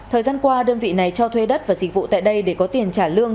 thời gian qua đơn vị này cho thuê đất và dịch vụ tại đây để có tiền trả lương